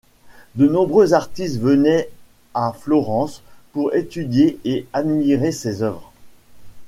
De nombreux artistes venaient à Florence pour étudier et admirer ces œuvres.